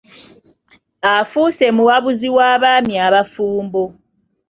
Ofuuse muwabuzi wa baami abafumbo.